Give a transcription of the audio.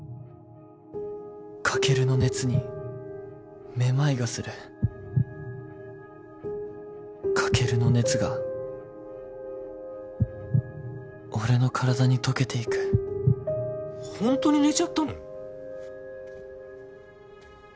カケルの熱にめまいがするカケルの熱が俺の体に溶けていくホントに寝ちゃったの？